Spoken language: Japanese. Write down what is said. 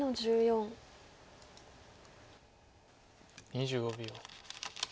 ２５秒。